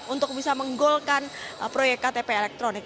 untuk bisa menggolkan proyek ktp elektronik